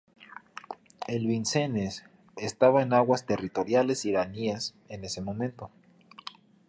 El Vincennes estaba en aguas territoriales iraníes en ese momento.